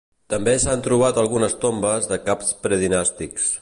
També s'han trobat algunes tombes de caps predinàstics.